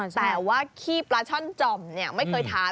แต่ว่าขี้ปลาช่อนจ่อมไม่เคยทาน